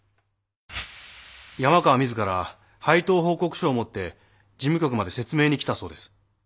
山川自ら配当報告書を持って事務局まで説明に来たそうです。